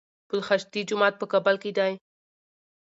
پل خشتي جومات په کابل کي دی